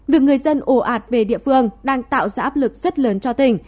việc người dân ồ ạt về địa phương đang tạo ra áp lực rất lớn cho tỉnh